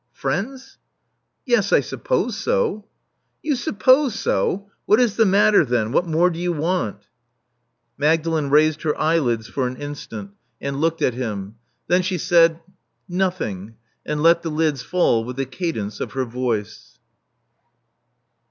•* Friends? Yes, I suppose so." You suppose so ! What is the matter, then? What more do you want?" Magdalen raised her eyelids for an instant, and Love Among the Artists 427 looked at him. Then she said, Nothing," and let the lids fall with the cadence of her voice.